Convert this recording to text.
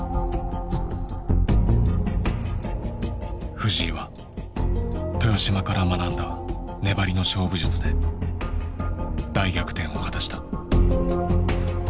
藤井は豊島から学んだ粘りの勝負術で大逆転を果たした。